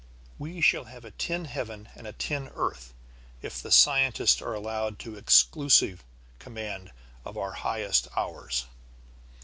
We shall have a tin heaven and a tin earth, if the scientists are allowed exclusive command of our highest hours.